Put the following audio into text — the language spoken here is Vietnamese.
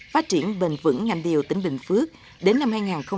phát triển bền vững ngành điều tỉnh bình phước đến năm hai nghìn ba mươi